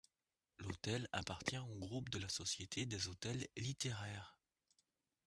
L'hôtel appartient au groupe de la Société des hôtels littéraires.